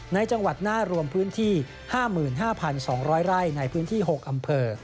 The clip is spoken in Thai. ในจังหวัดหน้ารวมพื้นที่๕๕๒๐๐ไร่ในพื้นที่๖อำเภอ